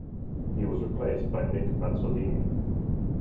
He was replaced by Nick Mazzolini.